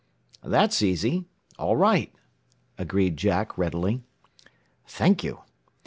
"That's easy. All right," agreed Jack readily. "Thank you.